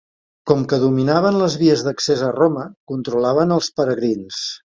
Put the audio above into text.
Com que dominaven les vies d'accés a Roma controlaven als peregrins.